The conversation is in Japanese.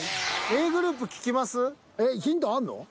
Ａグループ聞きます？